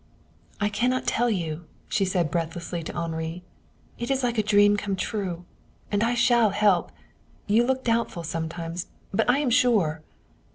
"I cannot tell you," she said breathlessly to Henri. "It is like a dream come true. And I shall help. You look doubtful sometimes, but I am sure."